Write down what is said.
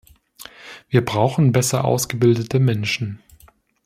Wir brauchen besser ausgebildete Menschen.